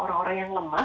orang yang lemah